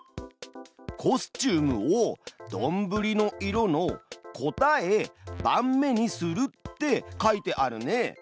「コスチュームをどんぶりの色の『答え』番目にする」って書いてあるね。